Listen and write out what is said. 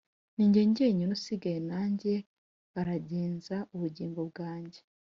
Nijye jyenyine usigaye nanjye baragenza ubugingo bwange